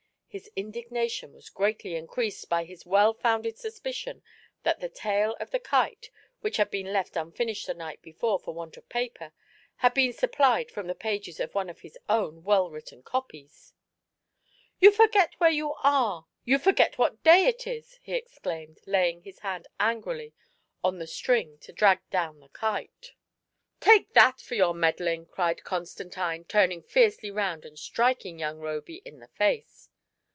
His indignation was greatly increased by his well founded suspicion that the tail of the kite, which had been left un finished the night before for want of paper, had been sup plied from the pages of one of his own well written copies. " You forget where you are — ^you forget what day it is !" he exclaimed, laying his hand angrily on the string to draw down the kite. "Take that for your meddling!" cried Constantine, turning fiercely round and striking young Roby in the face.